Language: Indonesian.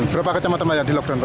berapa kecamatan yang di lockdown